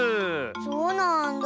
そうなんだ。